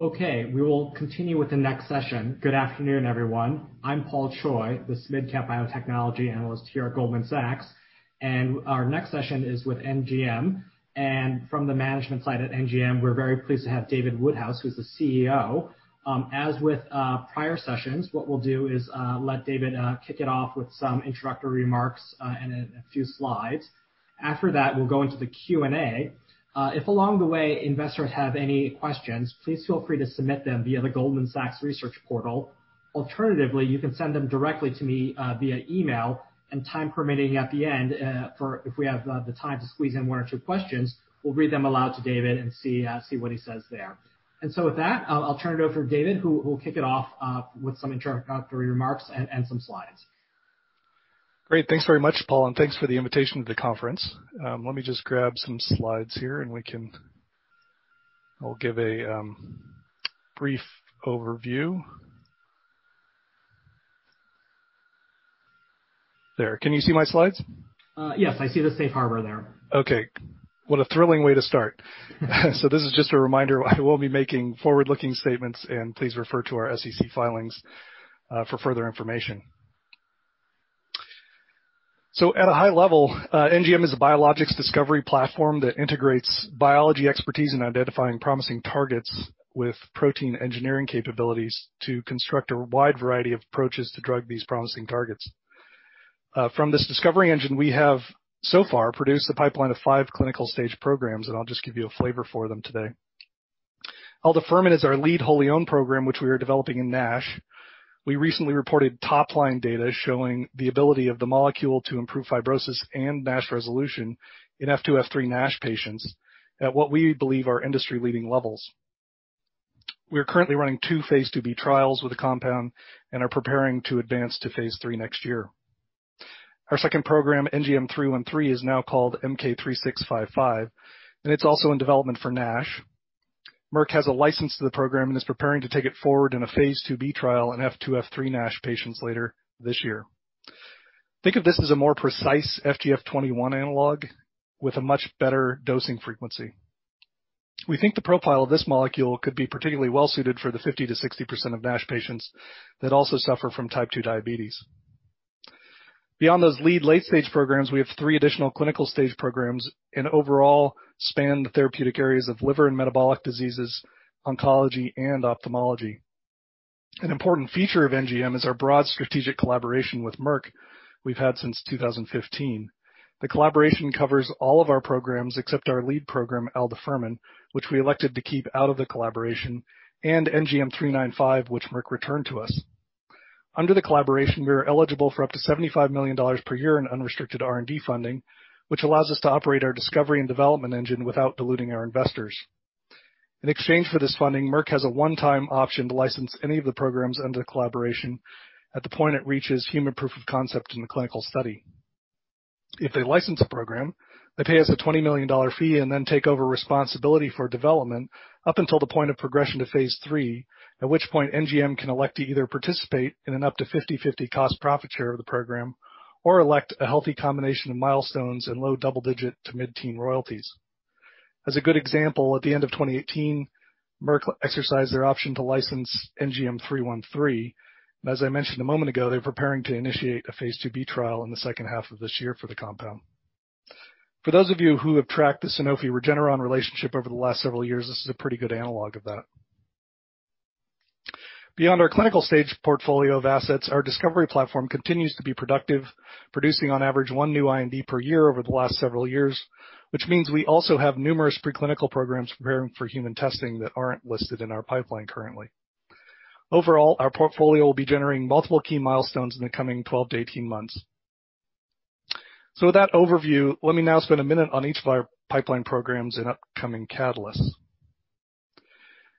Okay. We will continue with the next session. Good afternoon, everyone. I'm Paul Choi, the mid-cap biotechnology analyst here at Goldman Sachs, and our next session is with NGM. From the management side at NGM, we're very pleased to have David Woodhouse, who's the CEO. As with prior sessions, what we'll do is let David kick it off with some introductory remarks and a few slides. After that, we'll go into the Q&A. If along the way investors have any questions, please feel free to submit them via the Goldman Sachs Research portal. Alternatively, you can send them directly to me via email, and time permitting, at the end, if we have the time to squeeze in one or two questions, we'll read them aloud to David and see what he says there. With that, I'll turn it over to David, who will kick it off with some introductory remarks and some slides. Great. Thanks very much, Paul, and thanks for the invitation to the conference. Let me just grab some slides here, and I'll give a brief overview. There. Can you see my slides? Yes, I see the safe harbor there. Okay. What a thrilling way to start. This is just a reminder, I will be making forward-looking statements, and please refer to our SEC filings for further information. At a high level, NGM is a biologics discovery platform that integrates biology expertise in identifying promising targets with protein engineering capabilities to construct a wide variety of approaches to drug these promising targets. From this discovery engine, we have so far produced a pipeline of five clinical stage programs, and I'll just give you a flavor for them today. aldafermin is our lead wholly-owned program, which we are developing in NASH. We recently reported top-line data showing the ability of the molecule to improve fibrosis and NASH resolution in F2, F3 NASH patients at what we believe are industry-leading levels. We are currently running two phase IIb trials with the compound and are preparing to advance to phase III next year. Our second program, NGM-313 is now called MK-3655, and it's also in development for NASH. Merck has a license to the program and is preparing to take it forward in a phase IIb trial in F2, F3 NASH patients later this year. Think of this as a more precise FGF21 analog with a much better dosing frequency. We think the profile of this molecule could be particularly well-suited for the 50% to 60% of NASH patients that also suffer from type two diabetes. Beyond those lead late-stage programs, we have three additional clinical stage programs and overall span the therapeutic areas of liver and metabolic diseases, oncology, and ophthalmology. An important feature of NGM is our broad strategic collaboration with Merck we've had since 2015. The collaboration covers all of our programs except our lead program, aldafermin, which we elected to keep out of the collaboration, and NGM395, which Merck returned to us. Under the collaboration, we are eligible for up to $75 million per year in unrestricted R&D funding, which allows us to operate our discovery and development engine without diluting our investors. In exchange for this funding, Merck has a one-time option to license any of the programs under the collaboration at the point it reaches human proof of concept in a clinical study. If they license a program, they pay us a $20 million fee and then take over responsibility for development up until the point of progression to Phase III, at which point NGM can elect to either participate in an up to 50/50 cost profit share of the program or elect a healthy combination of milestones and low double-digit to mid-teen royalties. As a good example, at the end of 2018, Merck exercised their option to license NGM-313. As I mentioned a moment ago, they're preparing to initiate a phase II-B trial in the H2 of this year for the compound. For those of you who have tracked the Sanofi-Regeneron relationship over the last several years, this is a pretty good analog of that. Beyond our clinical-stage portfolio of assets, our discovery platform continues to be productive, producing on average one new IND per year over the last several years, which means we also have numerous pre-clinical programs preparing for human testing that aren't listed in our pipeline currently. Overall, our portfolio will be generating multiple key milestones in the coming 12 to 18 months. With that overview, let me now spend a minute on each of our pipeline programs and upcoming catalysts.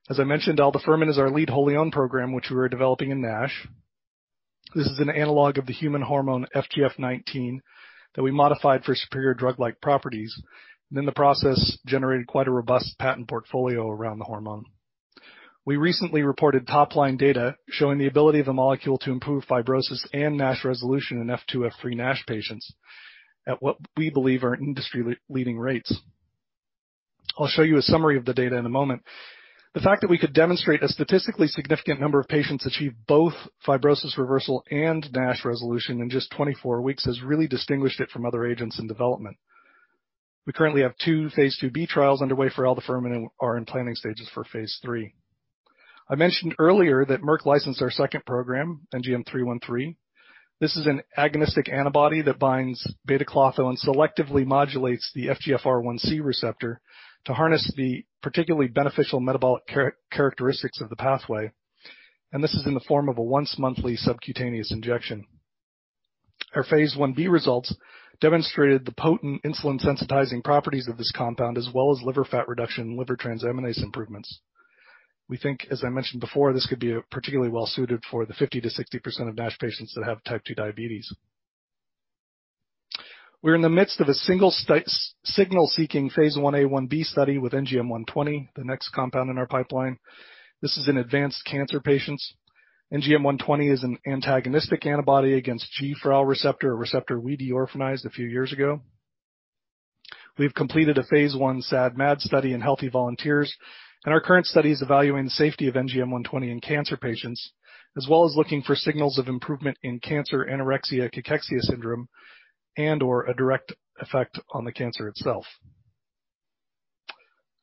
As I mentioned, aldafermin is our lead wholly-owned program, which we are developing in NASH. This is an analog of the human hormone FGF19 that we modified for superior drug-like properties, and in the process, generated quite a robust patent portfolio around the hormone. We recently reported top-line data showing the ability of the molecule to improve fibrosis and NASH resolution in F2, F3 NASH patients at what we believe are industry-leading rates. I'll show you a summary of the data in a moment. The fact that we could demonstrate a statistically significant number of patients achieve both fibrosis reversal and NASH resolution in just 24 weeks has really distinguished it from other agents in development. We currently have two Phase IIb trials underway for aldafermin and are in planning stages for Phase III. I mentioned earlier that Merck licensed our second program, NGM313. This is an agonistic antibody that binds beta-Klotho, selectively modulates the FGFR1c receptor to harness the particularly beneficial metabolic characteristics of the pathway, and this is in the form of a once-monthly subcutaneous injection. Our Phase Ib results demonstrated the potent insulin-sensitizing properties of this compound, as well as liver fat reduction and liver transaminase improvements. We think, as I mentioned before, this could be particularly well-suited for the 50% to 60% of NASH patients that have type two diabetes. We're in the midst of a single signal-seeking phase Ia/Ib study with NGM-120, the next compound in our pipeline. This is in advanced cancer patients. NGM-120 is an antagonistic antibody against GFRAL receptor, a receptor we de-orphanized a few years ago. We've completed a Phase I SAD/MAD study in healthy volunteers, and our current study is evaluating the safety of NGM-120 in cancer patients, as well as looking for signals of improvement in cancer anorexia-cachexia syndrome and/or a direct effect on the cancer itself.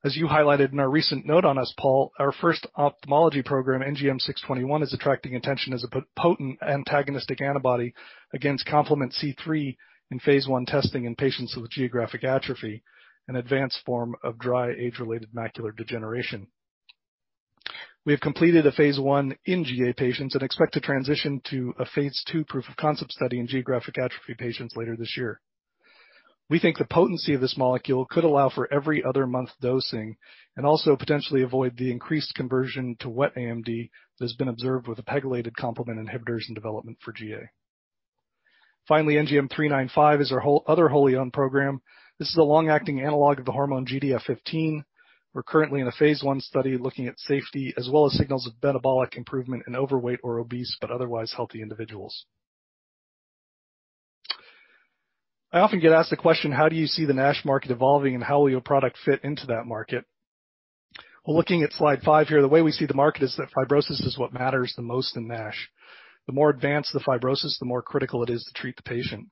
As you highlighted in our recent note on us, Paul, our first ophthalmology program, NGM621, is attracting attention as a potent antagonistic antibody against complement C3 in Phase I testing in patients with geographic atrophy, an advanced form of dry age-related macular degeneration. We have completed a Phase I in GA patients and expect to transition to a Phase II proof of concept study in geographic atrophy patients later this year. We think the potency of this molecule could allow for every other month dosing and also potentially avoid the increased conversion to wet AMD that has been observed with the pegylated complement inhibitors in development for GA. Finally, NGM395 is our other wholly-owned program. This is a long-acting analog of the hormone GDF15. We're currently in a Phase I study looking at safety as well as signals of metabolic improvement in overweight or obese, but otherwise healthy individuals. I often get asked the question, how do you see the NASH market evolving, and how will your product fit into that market? Well, looking at slide five here, the way we see the market is that fibrosis is what matters the most in NASH. The more advanced the fibrosis, the more critical it is to treat the patient.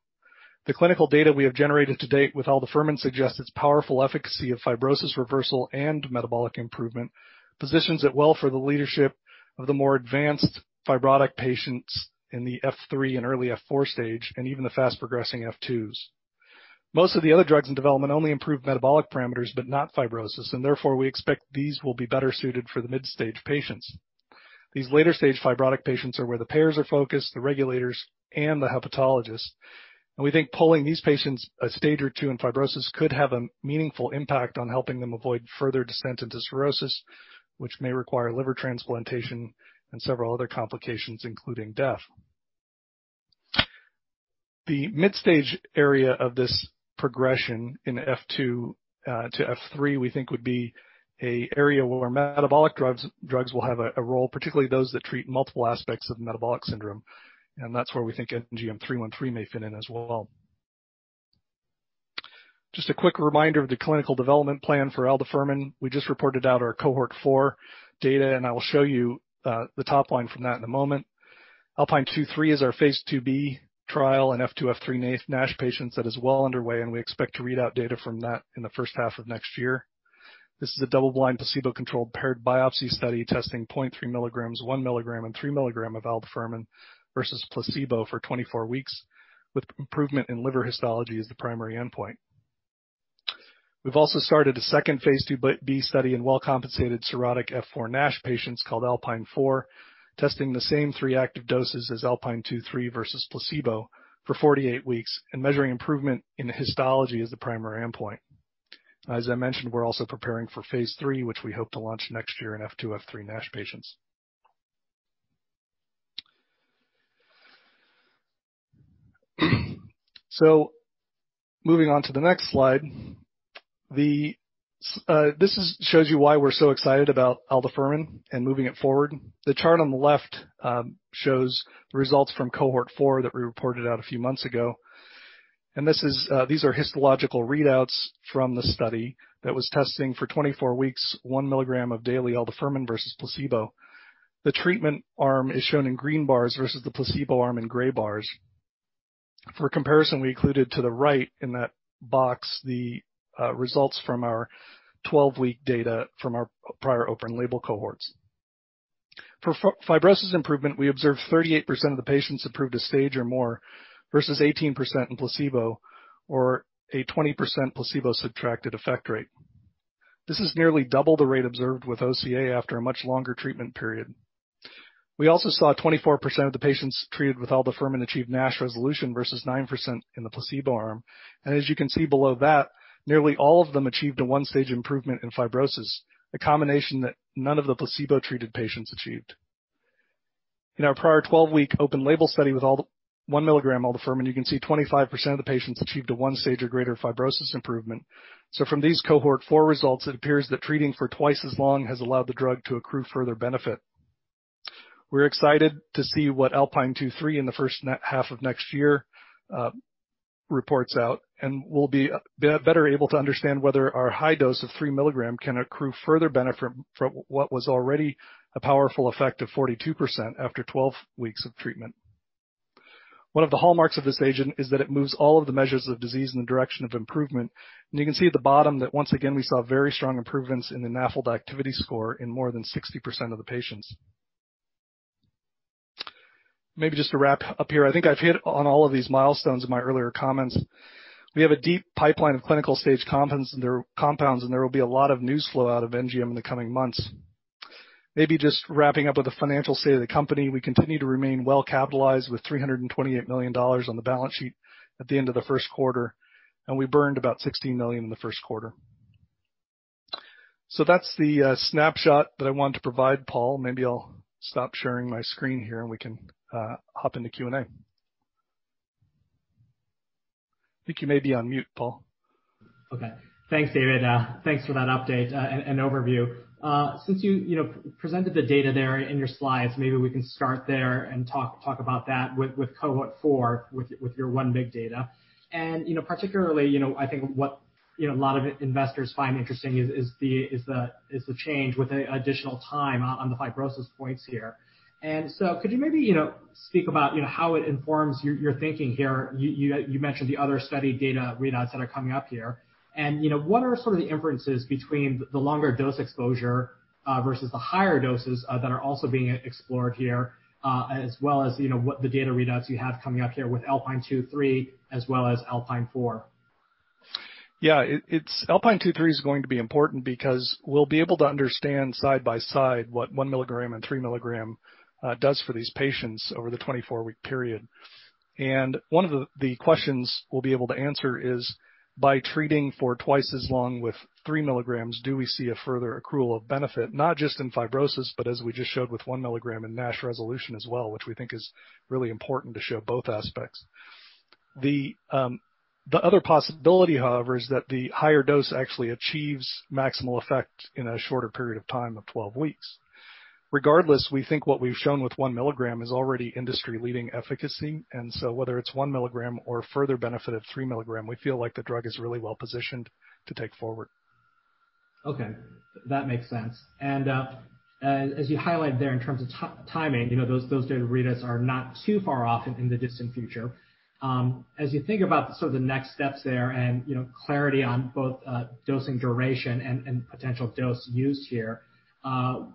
The clinical data we have generated to date with aldafermin suggests its powerful efficacy of fibrosis reversal and metabolic improvement positions it well for the leadership of the more advanced fibrotic patients in the F3 and early F4 stage, and even the fast-progressing F2s. Most of the other drugs in development only improve metabolic parameters, but not fibrosis. Therefore, we expect these will be better suited for the mid-stage patients. These later-stage fibrotic patients are where the payers are focused, the regulators, and the hepatologists. We think pulling these patients a stage or two in fibrosis could have a meaningful impact on helping them avoid further descent into cirrhosis, which may require liver transplantation and several other complications, including death. The mid-stage area of this progression in F2 to F3, we think would be an area where metabolic drugs will have a role, particularly those that treat multiple aspects of metabolic syndrome. That's where we think NGM-313 may fit in as well. Just a quick reminder of the clinical development plan for aldafermin. We just reported out our cohort four data, and I will show you the top line from that in a moment. ALPINE two/three is our Phase II-B trial in F2, F3 NASH patients that is well underway, and we expect to read out data from that in the first half of next year. This is a double-blind, placebo-controlled paired biopsy study testing zero point three milligrams, one milligram, and three milligrams of aldafermin versus placebo for 24 weeks, with improvement in liver histology as the primary endpoint. We've also started a second Phase II-B study in well-compensated cirrhotic F4 NASH patients called ALPINE four, testing the same three active doses as ALPINE two/three versus placebo for 48 weeks and measuring improvement in histology as the primary endpoint. As I mentioned, we're also preparing for Phase III, which we hope to launch next year in F2, F3 NASH patients. Moving on to the next slide. This shows you why we're so excited about aldafermin and moving it forward. The chart on the left shows the results from cohort four that we reported out a few months ago. These are histological readouts from the study that was testing for 24 weeks, one milligram of daily aldafermin versus placebo. The treatment arm is shown in green bars versus the placebo arm in gray bars. For comparison, we included to the right in that box the results from our 12-week data from our prior open label cohorts. For fibrosis improvement, we observed 38% of the patients improved a stage or more versus 18% in placebo or a 20% placebo-subtracted effect rate. This is nearly double the rate observed with OCA after a much longer treatment period. We also saw 24% of the patients treated with aldafermin achieve NASH resolution versus 9% in the placebo arm. As you can see below that, nearly all of them achieved a one-stage improvement in fibrosis, a combination that none of the placebo-treated patients achieved. In our prior 12-week open label study with one milligram aldafermin, you can see 25% of the patients achieved a one-stage or greater fibrosis improvement. From these cohort four results, it appears that treating for twice as long has allowed the drug to accrue further benefit. We're excited to see what ALPINE two/three in the H1 of next year reports out, and we'll be better able to understand whether our high dose of three milligrams can accrue further benefit from what was already a powerful effect of 42% after 12 weeks of treatment. One of the hallmarks of this agent is that it moves all of the measures of disease in the direction of improvement. You can see at the bottom that once again, we saw very strong improvements in the NAFLD activity score in more than 60% of the patients. Maybe just to wrap up here, I think I've hit on all of these milestones in my earlier comments. We have a deep pipeline of clinical-stage compounds, and there will be a lot of news flow out of NGM in the coming months. Maybe just wrapping up with the financial state of the company, we continue to remain well-capitalized with $328 million on the balance sheet at the end of the Q1, and we burned about $16 million in the Q1. That's the snapshot that I wanted to provide, Paul. Maybe I'll stop sharing my screen here and we can hop into Q&A. I think you may be on mute, Paul. Okay. Thanks, David. Thanks for that update and overview. Since you presented the data there in your slides, maybe we can start there and talk about that with cohort four, with your one mg data. Particularly, I think what a lot of investors find interesting is the change with additional time on the fibrosis points here. Could you maybe speak about how it informs your thinking here? You mentioned the other study data readouts that are coming up here, what are sort of the inferences between the longer dose exposure versus the higher doses that are also being explored here, as well as what the data readouts you have coming up here with ALPINE two/three as well as ALPINE four? Yeah. ALPINE two/three is going to be important because we'll be able to understand side by side what one milligram and three milligram does for these patients over the 24-week period. One of the questions we'll be able to answer is by treating for twice as long with three milligrams, do we see a further accrual of benefit, not just in fibrosis, but as we just showed with one milligram in NASH resolution as well, which we think is really important to show both aspects. The other possibility, however, is that the higher dose actually achieves maximal effect in a shorter period of time of 12 weeks. Regardless, we think what we've shown with one milligram is already industry-leading efficacy, and so whether it's one milligram or further benefit of three milligram, we feel like the drug is really well positioned to take forward. Okay, that makes sense. As you highlighted there, in terms of timing, those data readouts are not too far off in the distant future. As you think about sort of the next steps there and clarity on both dosing duration and potential dose used here,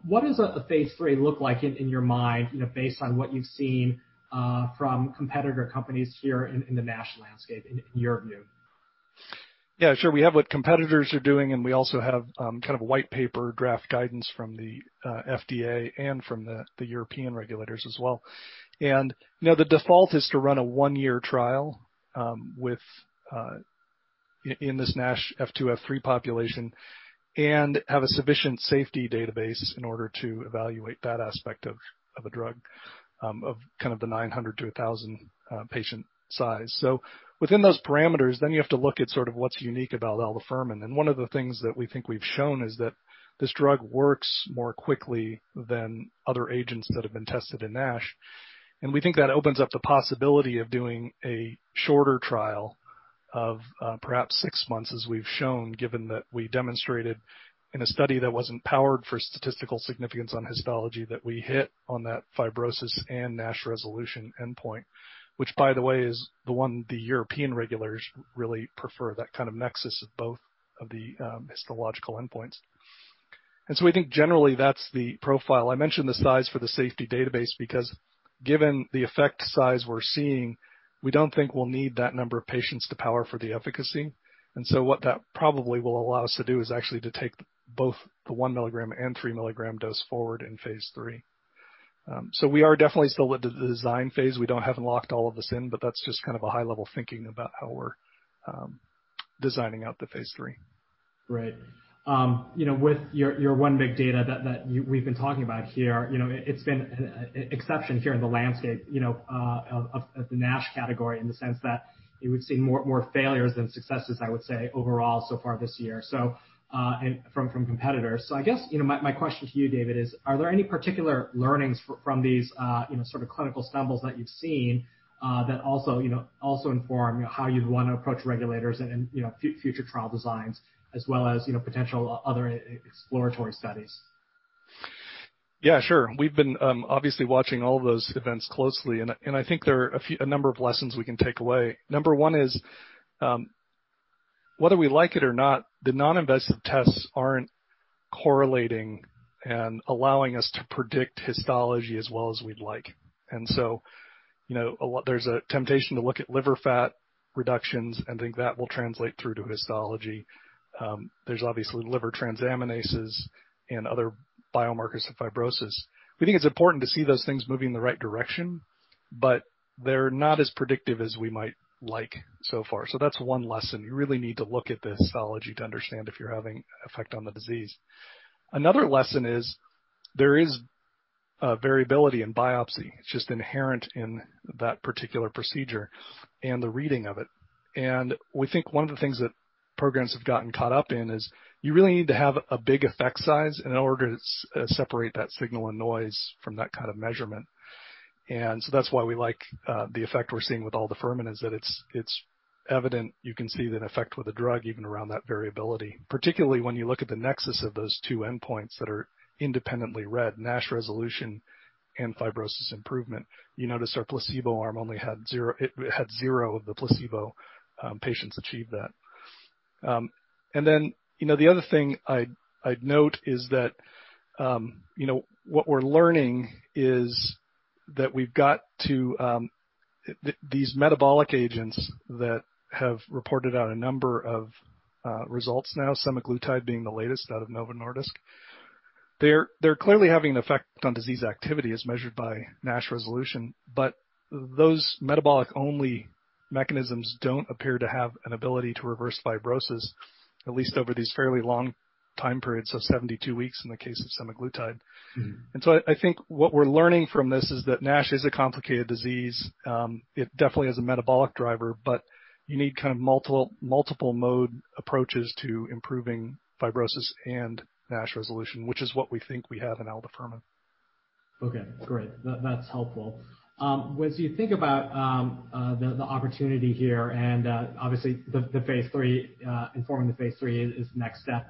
what does a Phase III look like in your mind based on what you've seen from competitor companies here in the NASH landscape, in your view? Yeah, sure. We have what competitors are doing, and we also have kind of a white paper draft guidance from the FDA and from the European regulators as well. The default is to run a one-year trial with, in this NASH F2, F3 population and have a sufficient safety database in order to evaluate that aspect of a drug of kind of the 900 to 1,000 patient size. Within those parameters, you have to look at sort of what's unique about aldafermin. One of the things that we think we've shown is that this drug works more quickly than other agents that have been tested in NASH. We think that opens up the possibility of doing a shorter trial of perhaps six months, as we've shown, given that we demonstrated in a study that wasn't powered for statistical significance on histology, that we hit on that fibrosis and NASH resolution endpoint. Which, by the way, is the one the European regulators really prefer, that kind of nexus of both of the histological endpoints. I think generally that's the profile. I mentioned the size for the safety database, because given the effect size we're seeing, we don't think we'll need that number of patients to power for the efficacy. What that probably will allow us to do is actually to take both the one milligram and three milligram dose forward in Phase III. We are definitely still at the design phase. We haven't locked all of this in. That's just kind of a high-level thinking about how we're designing out the Phase III. Right. With your one mg data that we've been talking about here, it's been an exception here in the landscape of the NASH category in the sense that you would see more failures than successes, I would say, overall so far this year from competitors. I guess my question to you, David, is, are there any particular learnings from these sort of clinical stumbles that you've seen that also inform how you'd want to approach regulators and future trial designs as well as potential other exploratory studies? Yeah, sure. We've been obviously watching all those events closely. I think there are a number of lessons we can take away. Number one is, whether we like it or not, the non-invasive tests aren't correlating and allowing us to predict histology as well as we'd like. And so there's a temptation to look at liver fat reductions and think that will translate through to histology. There's obviously liver transaminases and other biomarkers of fibrosis. We think it's important to see those things moving in the right direction. They're not as predictive as we might like so far. That's one lesson. You really need to look at the histology to understand if you're having effect on the disease. Another lesson is there is variability in biopsy. It's just inherent in that particular procedure and the reading of it. We think one of the things that programs have gotten caught up in is you really need to have a big effect size in order to separate that signal and noise from that kind of measurement. That's why we like the effect we're seeing with aldafermin, is that it's evident. You can see an effect with the drug even around that variability, particularly when you look at the nexus of those two endpoints that are independently read, NASH resolution and fibrosis improvement. You notice our placebo arm only had zero of the placebo patients achieve that. And then the other thing I'd note is that what we're learning is that we've got to these metabolic agents that have reported out a number of results now, semaglutide being the latest out of Novo Nordisk. They're clearly having an effect on disease activity as measured by NASH resolution. But those metabolic-only mechanisms don't appear to have an ability to reverse fibrosis, at least over these fairly long time periods of 72 weeks in the case of semaglutide. I think what we're learning from this is that NASH is a complicated disease. It definitely is a metabolic driver, but you need kind of multiple mode approaches to improving fibrosis and NASH resolution, which is what we think we have in aldafermin. Okay, great. Thats helpful. When you think about the opportunity here and obviously informing the Phase III is the next step.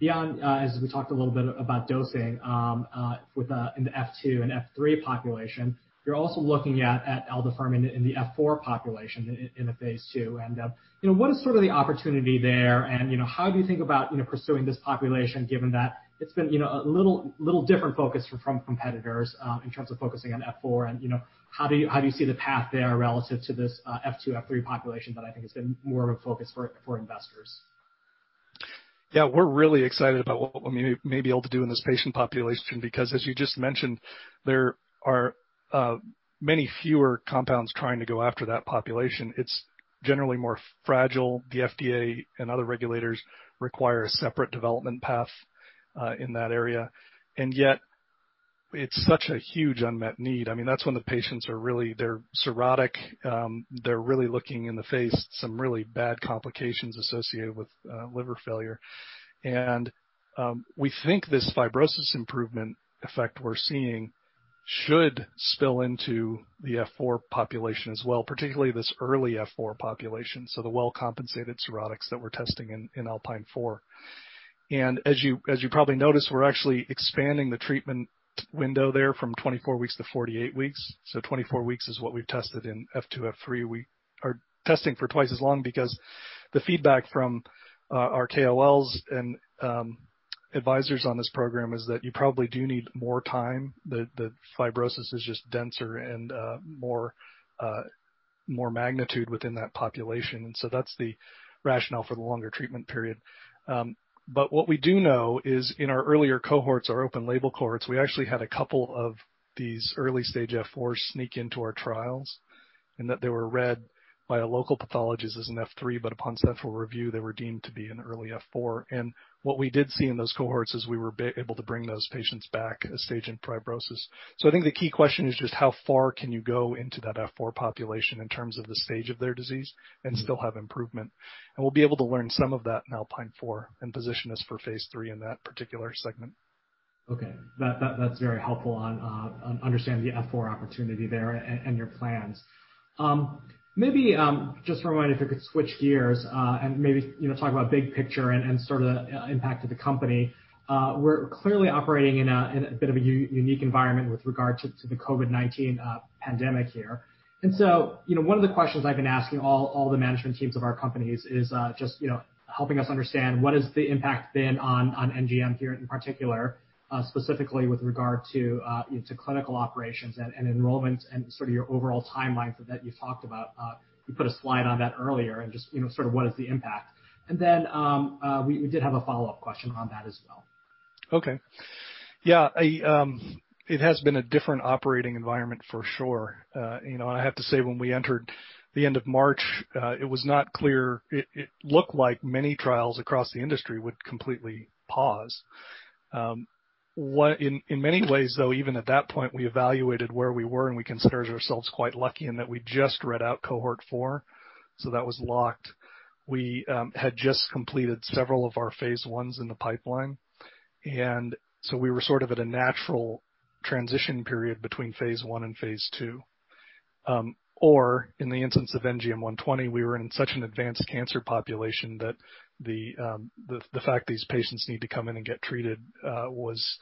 Beyond, as we talked a little bit about dosing in the F2 and F3 population, you're also looking at aldafermin in the F4 population in the Phase II. What is sort of the opportunity there and how do you think about pursuing this population, given that it's been a little different focus from competitors in terms of focusing on F4? How do you see the path there relative to this F2, F3 population that I think has been more of a focus for investors? Yeah, we are really excited about what we may be able to do in this patient population, because as you just mentioned, there are many fewer compounds trying to go after that population. It is generally more fragile. The FDA and other regulators require a separate development path in that area, yet it is such a huge unmet need. That is when the patients are really cirrhotic. They are really looking in the face some really bad complications associated with liver failure. We think this fibrosis improvement effect we are seeing should spill into the F4 population as well, particularly this early F4 population, the well-compensated cirrhotics that we are testing in Alpine four. As you probably noticed, we are actually expanding the treatment window there from 24 weeks to 48 weeks. 24 weeks is what we have tested in F2, F3. We are testing for twice as long because the feedback from our KOLs and advisors on this program is that you probably do need more time. The fibrosis is just denser and more magnitude within that population. So that's the rationale for the longer treatment period. What we do know is in our earlier cohorts, our open label cohorts, we actually had a couple of these early stage F4s sneak into our trials, and that they were read by a local pathologist as an F3, but upon central review, they were deemed to be an early F4. What we did see in those cohorts is we were able to bring those patients back a stage in fibrosis. So I think the key question is just how far can you go into that F4 population in terms of the stage of their disease and still have improvement? We'll be able to learn some of that in ALPINE four and position us for Phase III in that particular segment. Okay. That's very helpful on understanding the FGF19 opportunity there and your plans. Uh, maybe uh, just for a moment, if we could switch gears and maybe talk about big picture and sort of impact to the company. We're clearly operating in a bit of a unique environment with regard to the COVID-19 pandemic here. One of the questions I've been asking all the management teams of our companies is just helping us understand what has the impact been on NGM here in particular, specifically with regard to clinical operations and enrollment and sort of your overall timeline that you talked about. You put a slide on that earlier and just sort of what is the impact? And then we did have a follow-up question on that as well. Okay. Yeah. It has been a different operating environment for sure. I have to say, when we entered the end of March, it was not clear. It looked like many trials across the industry would completely pause. While in many ways, though, even at that point, we evaluated where we were, and we considered ourselves quite lucky in that we just read out cohort four, so that was locked. We had just completed several of our Phase I's in the pipeline, we were sort of at a natural transition period between Phase I and Phase II. In the instance of NGM120, we were in such an advanced cancer population that the fact these patients need to come in and get treated was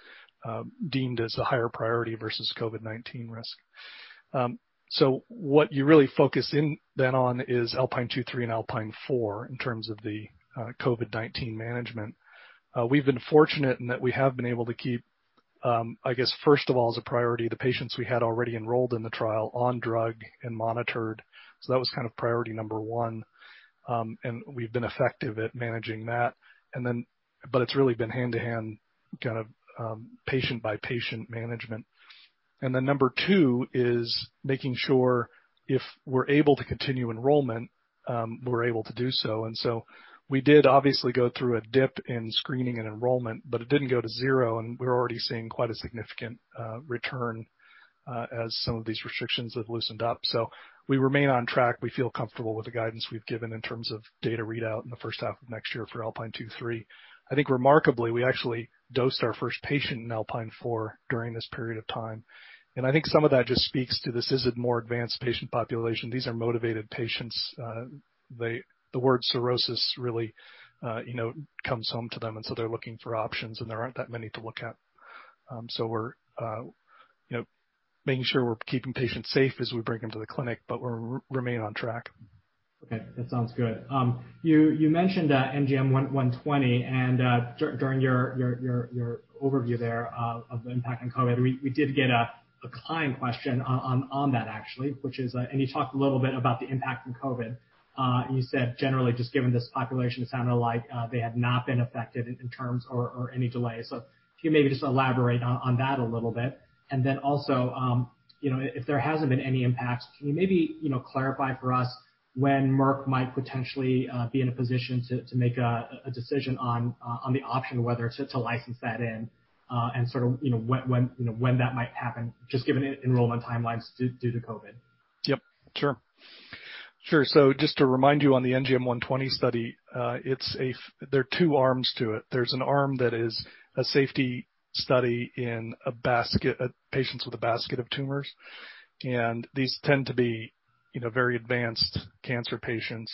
deemed as a higher priority versus COVID-19 risk. So what you really focus then on is ALPINE two/three and ALPINE four in terms of the COVID-19 management. We've been fortunate in that we have been able to keep, I guess first of all, as a priority, the patients we had already enrolled in the trial on drug and monitored. That was kind of priority number one, and we've been effective at managing that. It's really been hand-to-hand, kind of patient-by-patient management. Number two is making sure if we're able to continue enrollment, we're able to do so. We did obviously go through a dip in screening and enrollment, but it didn't go to zero, and we're already seeing quite a significant return as some of these restrictions have loosened up. So we remain on track. We feel comfortable with the guidance we've given in terms of data readout in the H1 of next year for ALPINE two/three. I think remarkably, we actually dosed our first patient in ALPINE four during this period of time, and I think some of that just speaks to this is a more advanced patient population. These are motivated patients. The word cirrhosis really comes home to them, and so they're looking for options, and there aren't that many to look at. We're making sure we're keeping patients safe as we bring them to the clinic, but we remain on track. Okay, that sounds good. You mentioned NGM-120. During your overview there of the impact on COVID, we did get a client question on that actually, which is. You talked a little bit about the impact from COVID. You said generally just given this population, it sounded like they had not been affected in terms or any delays. Can you maybe just elaborate on that a little bit? And then also, if there hasn't been any impact, can you maybe clarify for us when Merck might potentially be in a position to make a decision on the option whether to license that in and sort of when that might happen, just given enrollment timelines due to COVID? Yep, sure. Sure. Just to remind you on the NGM120 study, there are two arms to it. There's an arm that is a safety study in patients with a basket of tumors, and these tend to be very advanced cancer patients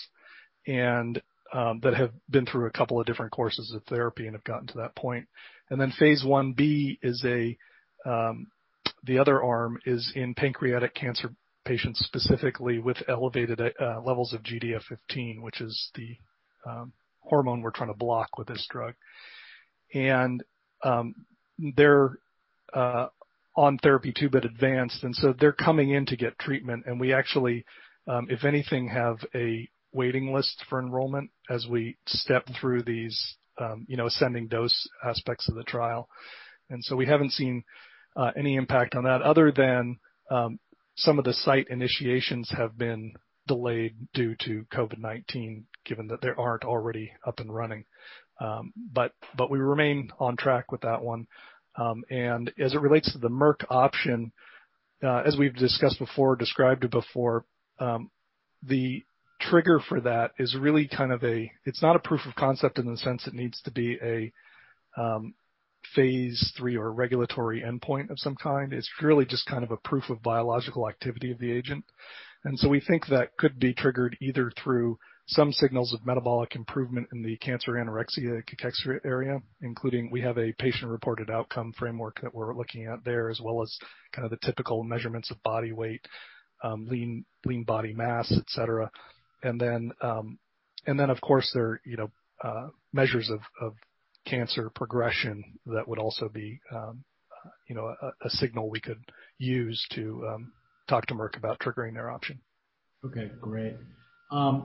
that have been through a couple of different courses of therapy and have gotten to that point. Phase I-B, the other arm, is in pancreatic cancer patients, specifically with elevated levels of GDF15, which is the hormone we're trying to block with this drug. They're on therapy too, but advanced, and so they're coming in to get treatment, and we actually, if anything, have a waiting list for enrollment as we step through these ascending dose aspects of the trial. So we haven't seen any impact on that other than some of the site initiations have been delayed due to COVID-19, given that they aren't already up and running. We remain on track with that one. As it relates to the Merck option, as we've discussed before, described it before, the trigger for that is really kind of a, it's not a proof of concept in the sense it needs to be a Phase III or regulatory endpoint of some kind. It's really just kind of a proof of biological activity of the agent. We think that could be triggered either through some signals of metabolic improvement in the Cancer anorexia-cachexia area, including we have a patient-reported outcome framework that we're looking at there, as well as the typical measurements of body weight, lean body mass, et cetera. And then of course, there are measures of cancer progression that would also be a signal we could use to talk to Merck about triggering their option. Okay. Great.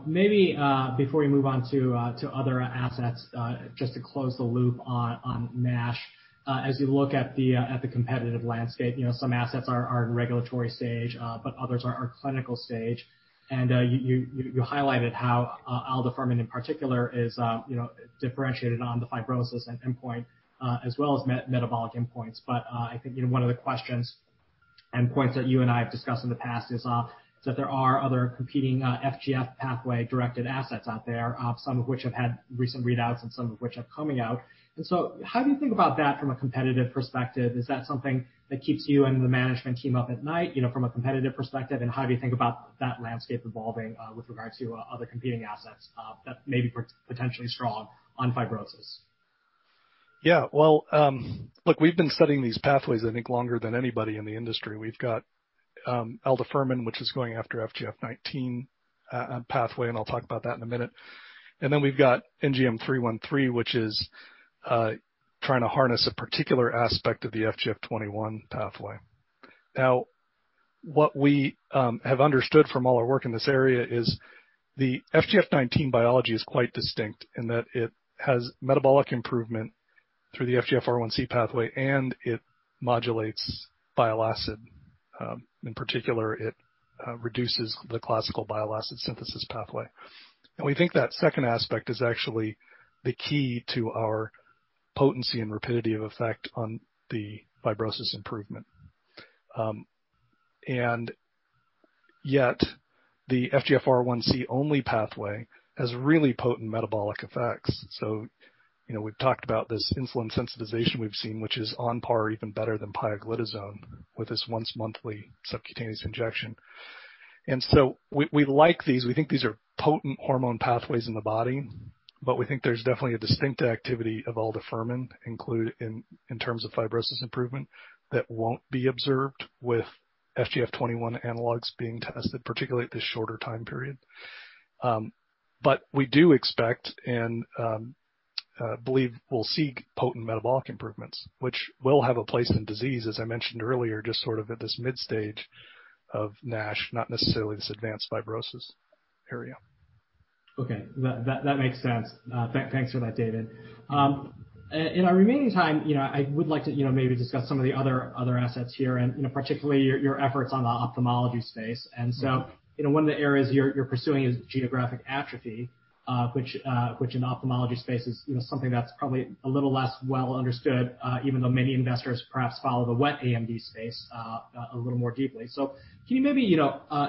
Maybe before we move on to other assets, just to close the loop on NASH. As you look at the competitive landscape, some assets are in regulatory stage, but others are clinical stage. And you highlighted how aldafermin in particular is differentiated on the fibrosis endpoint as well as metabolic endpoints. I think one of the questions and points that you and I have discussed in the past is that there are other competing FGF pathway-directed assets out there, some of which have had recent readouts and some of which are coming out. How do you think about that from a competitive perspective? Is that something that keeps you and the management team up at night from a competitive perspective, and how do you think about that landscape evolving with regard to other competing assets that may be potentially strong on fibrosis? Yeah. Well, look, we've been studying these pathways, I think, longer than anybody in the industry. We've got aldafermin, which is going after FGF19 pathway. I'll talk about that in a minute. We've got NGM-313 which is trying to harness a particular aspect of the FGF21 pathway. Now, what we have understood from all our work in this area is the FGF19 biology is quite distinct in that it has metabolic improvement through the FGFR1C pathway, and it modulates bile acid. In particular, it reduces the classical bile acid synthesis pathway. We think that second aspect is actually the key to our potency and rapidity of effect on the fibrosis improvement. Yet, the FGFR1C-only pathway has really potent metabolic effects. We've talked about this insulin sensitization we've seen, which is on par or even better than pioglitazone with this once-monthly subcutaneous injection. And so we like these. We think these are potent hormone pathways in the body, but we think there's definitely a distinct activity of aldafermin included in terms of fibrosis improvement that won't be observed with FGF21 analogs being tested, particularly at this shorter time period. We do expect and believe we'll see potent metabolic improvements, which will have a place in disease, as I mentioned earlier, just sort of at this mid stage of NASH, not necessarily this advanced fibrosis area. Okay. That makes sense. Thanks for that, David. In our remaining time, I would like to maybe discuss some of the other assets here and particularly your efforts on the ophthalmology space. One of the areas you're pursuing is geographic atrophy, which in ophthalmology space is something that's probably a little less well understood, even though many investors perhaps follow the wet AMD space a little more deeply. Can you maybe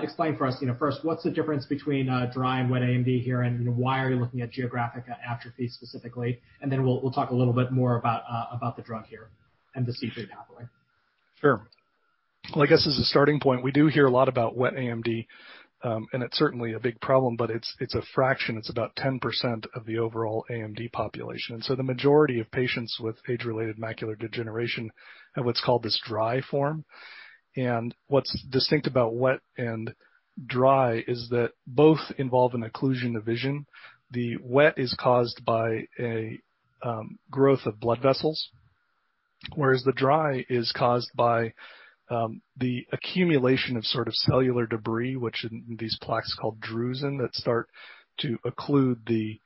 explain for us first, what's the difference between dry and wet AMD here, and why are you looking at geographic atrophy specifically? Then we'll talk a little bit more about the drug here and the C3 pathway. Sure. Well, I guess as a starting point, we do hear a lot about wet AMD, and it's certainly a big problem, but it's a fraction. It's about 10% of the overall AMD population. The majority of patients with age-related macular degeneration have what's called this dry form. What's distinct about wet and dry is that both involve an occlusion of vision. The wet is caused by a growth of blood vessels, whereas the dry is caused by the accumulation of sort of cellular debris, which in these plaques called drusen that start to occlude the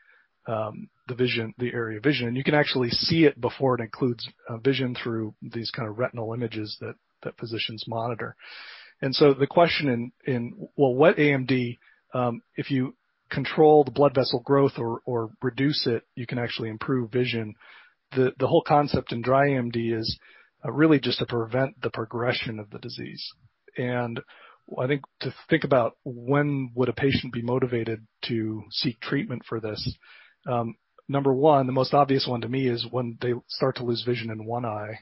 area of vision. You can actually see it before it occludes vision through these kind of retinal images that physicians monitor. And so the question in, well, wet AMD, if you control the blood vessel growth or reduce it, you can actually improve vision. The whole concept in dry AMD is really just to prevent the progression of the disease. I think to think about when would a patient be motivated to seek treatment for this, number one, the most obvious one to me is when they start to lose vision in one eye,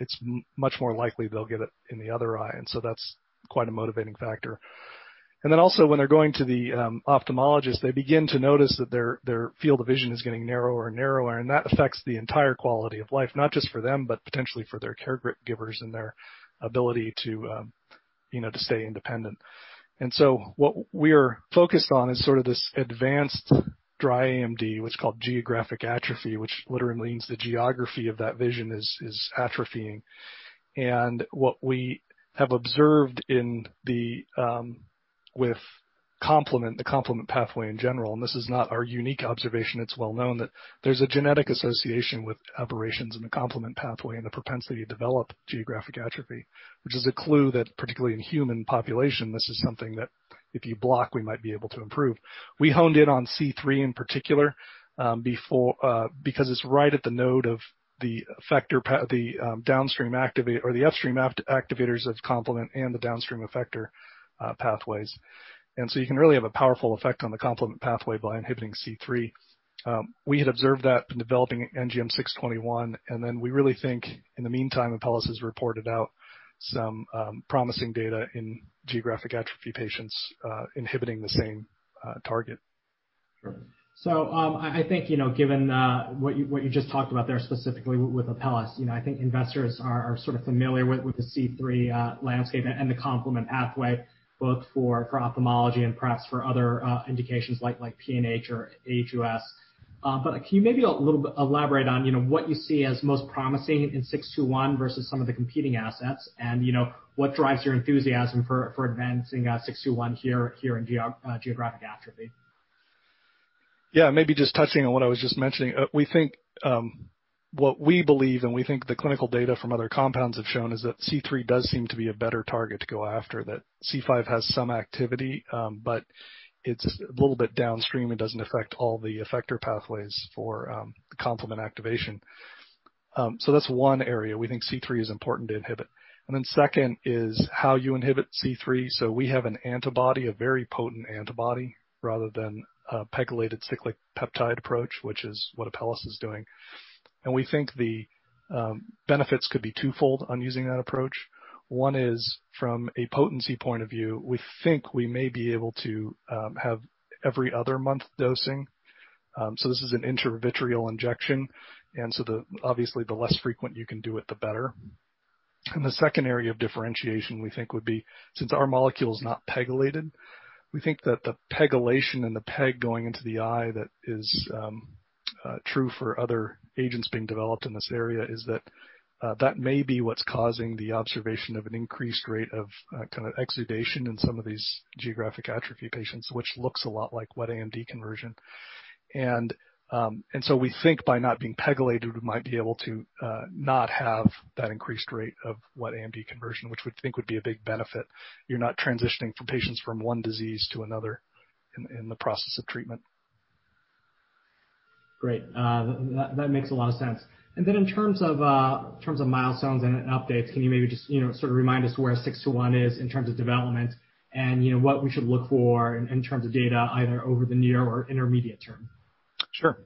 it's much more likely they'll get it in the other eye. That's quite a motivating factor. And also when they're going to the ophthalmologist, they begin to notice that their field of vision is getting narrower and narrower, and that affects the entire quality of life, not just for them, but potentially for their caregivers and their ability to stay independent. And so we are focused on is sort of this advanced dry AMD, what's called geographic atrophy, which literally means the geography of that vision is atrophying. And what we have observed with complement, the complement pathway in general, and this is not our unique observation, it's well known that there's a genetic association with aberrations in the complement pathway and the propensity to develop geographic atrophy, which is a clue that particularly in human population, this is something that if you block, we might be able to improve. We honed in on C3 in particular, because it's right at the node of the upstream activators of complement and the downstream effector pathways. You can really have a powerful effect on the complement pathway by inhibiting C3. We had observed that in developing NGM621, and then we really think in the meantime, Apellis has reported out some promising data in geographic atrophy patients inhibiting the same target. Sure. I think, given what you just talked about there, specifically with Apellis, I think investors are sort of familiar with the C3 landscape and the complement pathway, both for ophthalmology and perhaps for other indications like PNH or HUS. Can you maybe a little bit elaborate on what you see as most promising in 621 versus some of the competing assets? What drives your enthusiasm for advancing 621 here in geographic atrophy? Yeah. Maybe just touching on what I was just mentioning. What we believe, and we think the clinical data from other compounds have shown, is that C3 does seem to be a better target to go after, that C5 has some activity, but it's a little bit downstream and doesn't affect all the effector pathways for complement activation. That's one area we think C3 is important to inhibit. Second is how you inhibit C3. We have an antibody, a very potent antibody, rather than a pegylated cyclic peptide approach, which is what Apellis is doing. We think the benefits could be twofold on using that approach. One is, from a potency point of view, we think we may be able to have every other month dosing. This is an intravitreal injection, obviously the less frequent you can do it, the better. The second area of differentiation we think would be, since our molecule is not pegylated, we think that the pegylation and the peg going into the eye that is true for other agents being developed in this area is that may be what's causing the observation of an increased rate of kind of exudation in some of these geographic atrophy patients, which looks a lot like wet AMD conversion. We think by not being pegylated, we might be able to not have that increased rate of wet AMD conversion, which we think would be a big benefit. You're not transitioning from patients from one disease to another in the process of treatment. Great. That makes a lot of sense. In terms of milestones and updates, can you maybe just sort of remind us where 621 is in terms of development and what we should look for in terms of data either over the near or intermediate term? Sure.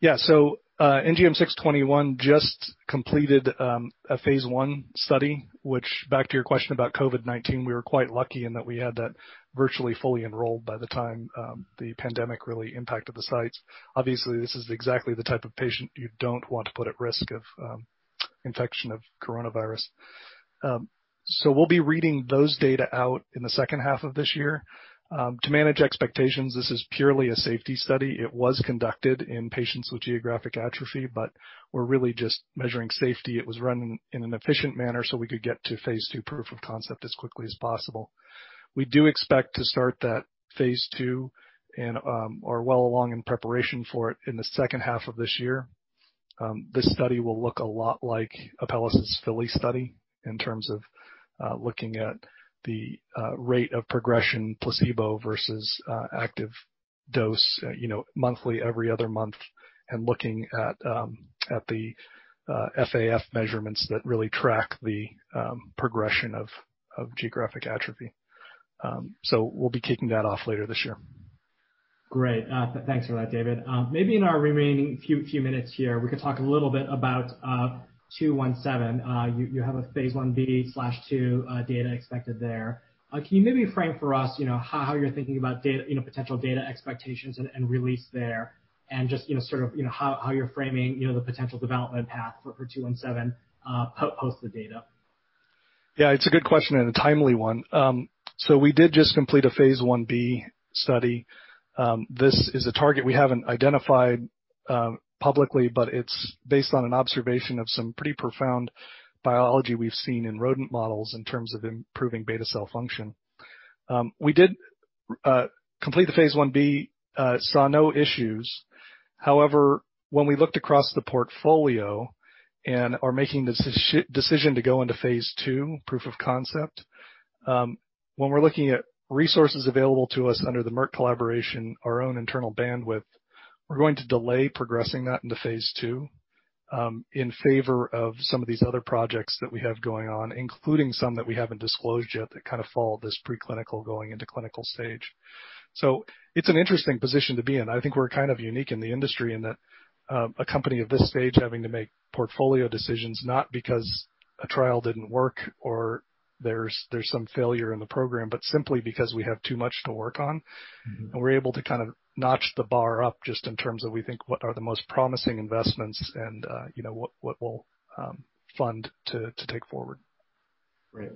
Yeah. So, NGM621 just completed a Phase I study, which back to your question about COVID-19, we were quite lucky in that we had that virtually fully enrolled by the time the pandemic really impacted the sites. Obviously, this is exactly the type of patient you don't want to put at risk of infection of coronavirus. We'll be reading those data out in the H2 of this year. To manage expectations, this is purely a safety study. It was conducted in patients with geographic atrophy, we're really just measuring safety. It was run in an efficient manner we could get to Phase II proof of concept as quickly as possible. We do expect to start that Phase II and are well along in preparation for it in the H2 of this year. This study will look a lot like Apellis's FILLY study in terms of looking at the rate of progression placebo versus active dose monthly, every other month, and looking at the FAF measurements that really track the progression of geographic atrophy. We'll be kicking that off later this year. Great. Thanks for that, David. Maybe in our remaining few minutes here, we could talk a little bit about NGM-217. You have a Phase I-B/II data expected there. Can you maybe frame for us how you're thinking about potential data expectations and release there and just sort of how you're framing the potential development path for NGM-217 post the data? Yeah, it's a good question and a timely one. We did just complete a Phase I-B study. This is a target we haven't identified publicly, but it's based on an observation of some pretty profound biology we've seen in rodent models in terms of improving beta cell function. We did complete the Phase I-B, saw no issues. However, when we looked across the portfolio and are making this decision to go into Phase II proof of concept. When we're looking at resources available to us under the Merck collaboration, our own internal bandwidth, we're going to delay progressing that into Phase II in favor of some of these other projects that we have going on, including some that we haven't disclosed yet that follow this preclinical going into clinical stage. It's an interesting position to be in. I think we're unique in the industry in that a company at this stage having to make portfolio decisions not because a trial didn't work or there's some failure in the program, but simply because we have too much to work on. We're able to notch the bar up just in terms of we think what are the most promising investments and what we'll fund to take forward. Great.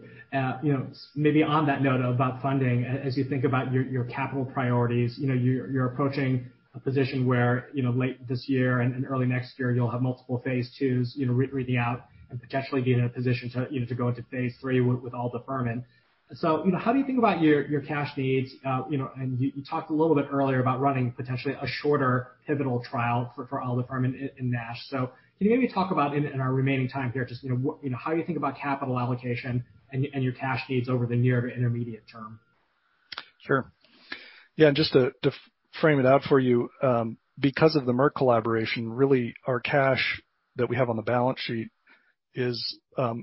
Maybe on that note about funding, as you think about your capital priorities, you're approaching a position where late this year and early next year, you'll have multiple Phase IIs reading out and potentially be in a position to go into Phase III with aldafermin. How do you think about your cash needs? You talked a little bit earlier about running potentially a shorter pivotal trial for aldafermin in NASH. Can you maybe talk about, in our remaining time here, just how you think about capital allocation and your cash needs over the near to intermediate term? Sure. Yeah, just to frame it out for you, because of the Merck collaboration, really our cash that we have on the balance sheet is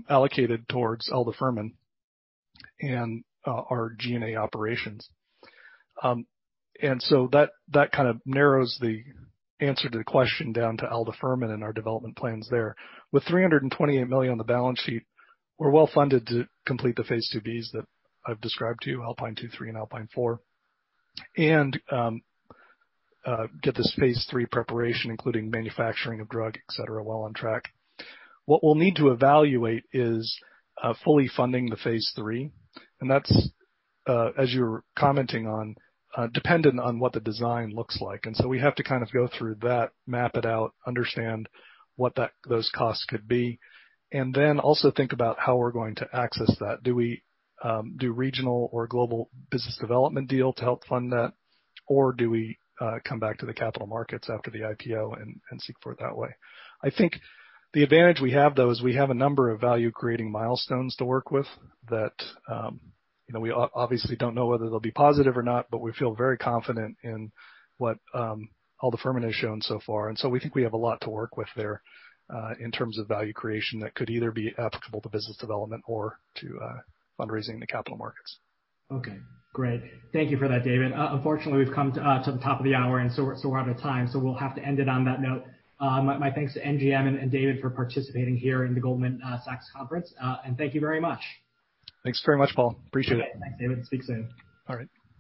allocated towards aldafermin and our G&A operations. That kind of narrows the answer to the question down to aldafermin and our development plans there. With $328 million on the balance sheet, we're well-funded to complete the Phase II-Bs that I've described to you, ALPINE two/three and ALPINE four, and get this Phase III preparation, including manufacturing of drug, et cetera, well on track. What we'll need to evaluate is fully funding the Phase III, that's, as you were commenting on, dependent on what the design looks like. We have to go through that, map it out, understand what those costs could be, then also think about how we're going to access that. Do we do regional or global business development deal to help fund that? Do we come back to the capital markets after the IPO and seek for it that way? I think the advantage we have, though, is we have a number of value-creating milestones to work with that we obviously don't know whether they'll be positive or not, but we feel very confident in what aldafermin has shown so far. We think we have a lot to work with there in terms of value creation that could either be applicable to business development or to fundraising in the capital markets. Okay, great. Thank you for that, David. Unfortunately, we've come to the top of the hour and so we're out of time, so we'll have to end it on that note. My thanks to NGM and David for participating here in the Goldman Sachs conference. Thank you very much. Thanks very much, Paul. Appreciate it. Okay. Thanks, David. Speak soon. All right.